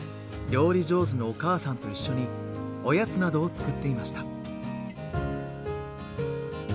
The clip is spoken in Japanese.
料理上手のお母さんと一緒におやつなどを作っていました。